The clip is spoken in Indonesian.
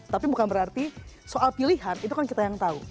tapi bukan berarti soal pilihan itu kan kita yang tahu